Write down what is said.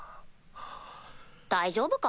大丈夫か？